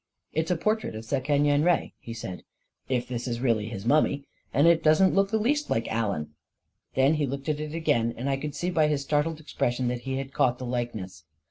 " It's a portrait of Sekeny en Re," he said, " if this is really his mummy; and it doesn't look the least like Allen." Then he looked at it again, and I could see by his startled expression that he had caught the likeness.